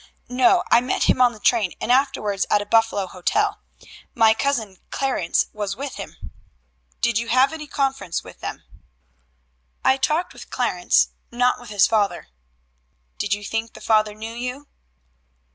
"No. I met him on the train and afterwards at a Buffalo hotel. My Cousin Clarence was with him." "Did you have any conference with them?" "I talked with Clarence, not with his father." "Did you think the father knew you?"